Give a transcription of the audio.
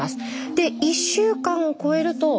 で１週間を超えると。